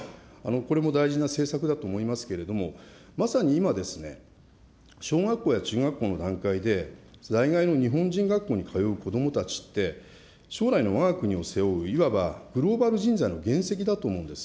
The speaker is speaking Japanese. これも大事な政策だと思いますけれども、まさに今、小学校や中学校の段階で、在外の日本人学校に通う子どもたちって、将来のわが国を背負う、いわばグローバル人材の原石だと思うんです。